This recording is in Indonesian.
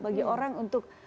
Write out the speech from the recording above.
bagi orang untuk